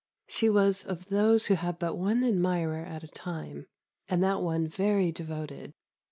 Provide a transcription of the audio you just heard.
She was of those who have but one admirer at a time, and that one very devoted.